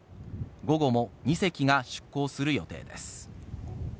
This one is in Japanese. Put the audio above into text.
午後も２隻が出航する予定です。